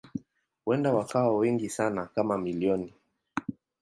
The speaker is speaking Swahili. Huenda wakawa wengi sana kama milioni.